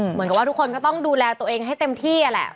เหมือนกับว่าทุกคนก็ต้องดูแลตัวเองให้เต็มที่แหละ